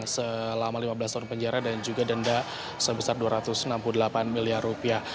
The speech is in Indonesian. selama lima belas tahun penjara dan juga denda sebesar dua ratus enam puluh delapan miliar rupiah